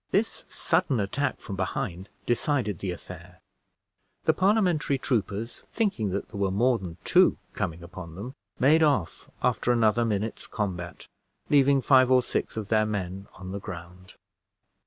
This sudden attack from behind decided the affair. The Parliamentary troopers, thinking that there were more than two coming upon them, made off after another minute's combat, leaving five or six of their men on the ground.